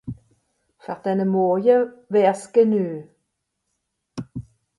Fer denne Morje wär's genue.